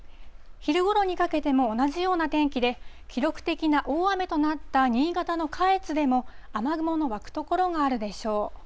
昼ごろにかけても同じような天気で、記録的な大雨となった新潟の下越でも、雨雲の湧く所があるでしょう。